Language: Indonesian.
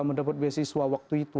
mendapat beasiswa waktu itu